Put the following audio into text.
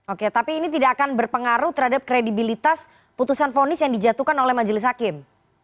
oke tapi ini tidak akan berpengaruh terhadap kredibilitas putusan vonis yang dijatuhkan oleh majelis hakim